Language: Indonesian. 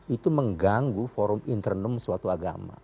itu mengganggu forum internum suatu agama